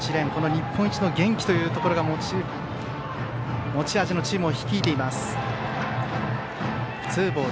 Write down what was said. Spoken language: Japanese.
日本一の元気というところが持ち味のチームを率いています。